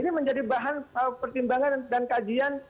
ini menjadi bahan pertimbangan dan kajian